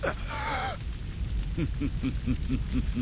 フフフフ。